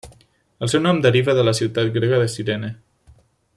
El seu nom deriva de la ciutat grega de Cirene.